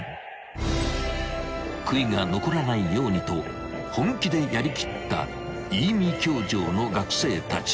［悔いが残らないようにと本気でやりきった飯見教場の学生たち］